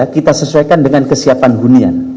kita sesuaikan dengan kesiapan hunian